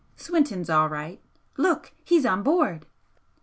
Swinton's all right look, he's on board!"